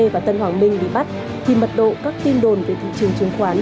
và tân hoàng minh bị bắt khi mật độ các tin đồn về thị trường chứng khoán